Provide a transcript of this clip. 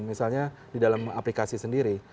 misalnya di dalam aplikasi sendiri